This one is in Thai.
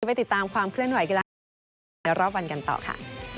จะไปติดตามความเคลื่อนไหวกีฬาแล้วรอบวันกันต่อค่ะ